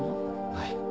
はい。